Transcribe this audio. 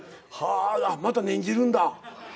また念じるんだ。